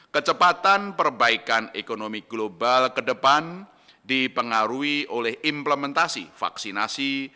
kecepatan perbaikan ekonomi global ke depan dipengaruhi oleh implementasi vaksinasi